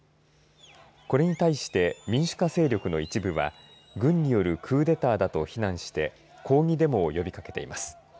これに対して民主化勢力の一部は軍によるクーデターだと非難して抗議デモを呼びかけています。